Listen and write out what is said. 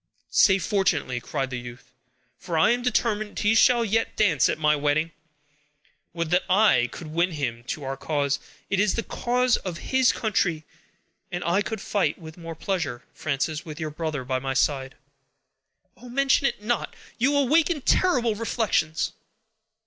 "Say fortunately," cried the youth, "for I am determined he shall yet dance at my wedding. Would that I could win him to our cause. It is the cause of his country; and I could fight with more pleasure, Frances, with your brother by my side." "Oh! mention it not! You awaken terrible reflections."